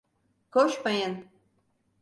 Koşmayın!